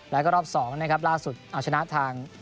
แล้วก็รอบ๒นะครับล่าสุดเอาชนะทาง